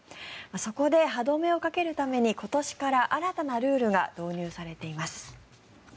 そこで、歯止めをかけるために今年から新たなルールが導入されています。